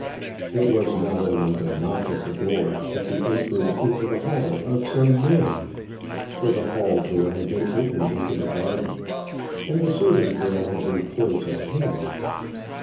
It was not only the knock at the door, but the entrance into the hall of some man, for the hall door had been open into the garden, and the servant girl had been close at hand.